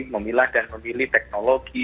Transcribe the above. memilah dan memilih teknologi